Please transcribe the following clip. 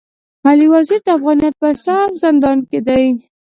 علي وزير د افغانيت پر سر زندان کي دی.